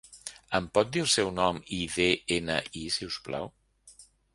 Em pot dir el seu nom i de-ena-i si us plau?